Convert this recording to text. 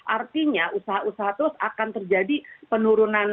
artinya usaha usaha terus akan terjadi penurunan